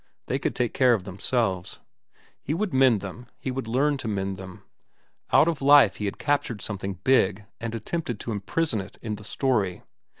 They could take care of themselves. He could mend them, he could learn to mend them. Out of life he had captured something big and attempted to imprison it in the story.